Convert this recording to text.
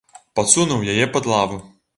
Падсунуў яе пад лаву.